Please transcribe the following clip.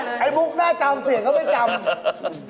เนี่ยไอ้มุกน่าจำเสียเขาไม่จำ